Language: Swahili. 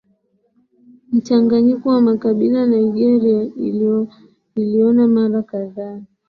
mchanganyiko wa makabila Nigeria iliona mara kadhaa